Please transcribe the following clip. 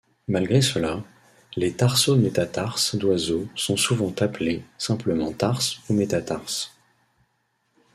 Malgré cela, les tarsométatarses d'oiseaux sont souvent appelés simplement tarse ou métatarse.